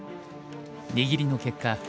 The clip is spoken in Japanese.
握りの結果